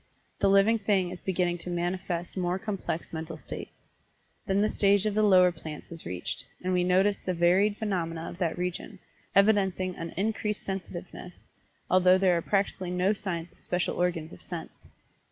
The living thing is beginning to manifest more complex mental states. Then the stage of the lower plants is reached, and we notice the varied phenomena of that region, evidencing an increased sensitiveness, although there are practically no signs of special organs of sense.